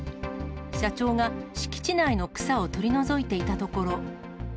社長が敷地内の草を取り除いていたところ。